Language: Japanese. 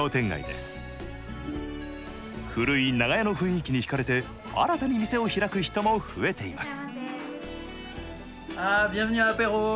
古い長屋の雰囲気に引かれて新たに店を開く人も増えています。